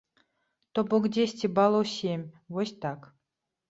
То бок дзесьці балаў сем, вось так.